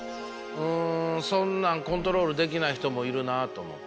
うんそんなんコントロールできない人もいるなと思って。